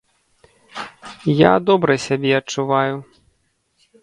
Я добра сябе адчуваю.